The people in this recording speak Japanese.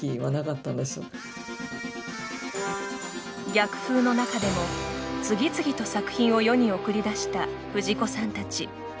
逆風の中でも次々と作品を世に送り出した藤子さんたち。